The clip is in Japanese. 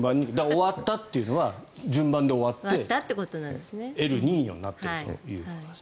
終わったというのは順番で終わってエルニーニョになっているということです。